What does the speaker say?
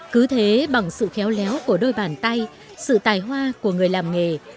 cứ thế bằng sự khéo léo của đôi bàn tay sự tài hoa của người làm nghề